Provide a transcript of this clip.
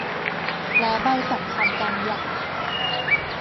และใบสำคัญการหย่า